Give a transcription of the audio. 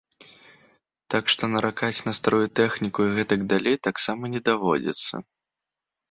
Так што наракаць на старую тэхніку і гэтак далей таксама не даводзіцца.